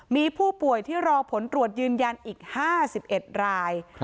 มีผู้ป่วยที่รอผลตรวจยืนยันอีก๕๑ราย